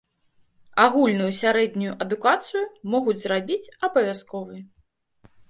Агульную сярэднюю адукацыю могуць зрабіць абавязковай.